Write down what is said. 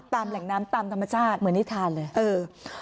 ตามแหล่งน้ำตามธรรมชาติเหมือนที่ทานเลย